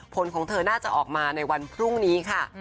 ผลของเธอน่าจะออกมาในวันพรุ่งนี้ค่ะ